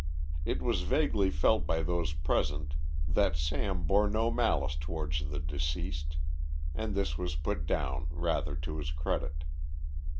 It was vaguely felt by those present that Sam bore no malice towards the deceased, and this was put down rather to his credit.